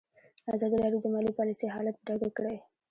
ازادي راډیو د مالي پالیسي حالت په ډاګه کړی.